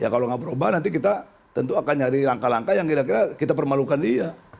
kalau nggak berubah nanti kita tentu akan nyari langkah langkah yang kira kira kita permalukan dia